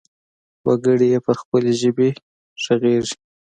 وګړي يې پر خپلې ژبې ګړيږي.